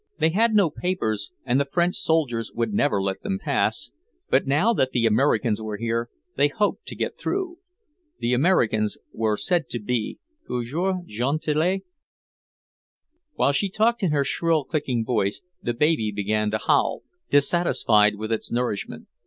They had no papers, and the French soldiers would never let them pass, but now that the Americans were here they hoped to get through; the Americans were said to be toujours gentils. While she talked in her shrill, clicking voice, the baby began to howl, dissatisfied with its nourishment.